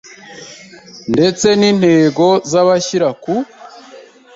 ndetse n intego z abashyira ku